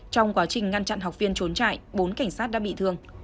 trong quá trình ngăn chặn học viên trốn chạy bốn cảnh sát đã bị thương